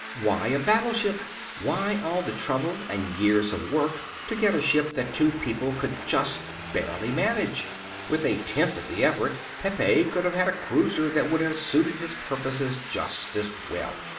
Why a battleship? Why all the trouble and years of work to get a ship that two people could just barely manage? With a tenth of the effort Pepe could have had a cruiser that would have suited his purposes just as well.